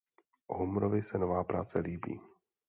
Homerovi se nová práce líbí.